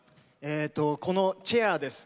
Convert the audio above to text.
このチェアです。